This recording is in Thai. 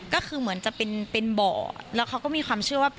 ก็คือเหมือนจะเป็นบ่อแล้วเขาก็มีความเชื่อว่า